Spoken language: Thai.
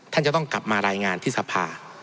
ท่านจะต้องกลับมารายงานที่สภา